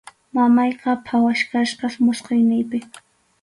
Mamayqa phawachkasqas musquyninpi.